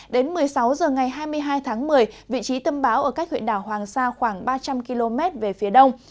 đến một mươi sáu h ngày hai mươi hai tháng một mươi vị trí tâm bão ở cách huyện đảo hoàng sa khoảng ba trăm linh km về phía đông